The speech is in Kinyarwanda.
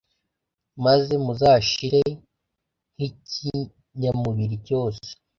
maze muzashire nk'ikinyamubiri cyose